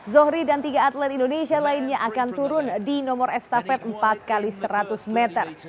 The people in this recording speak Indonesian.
zohri dan tiga atlet indonesia lainnya akan turun di nomor estafet empat x seratus meter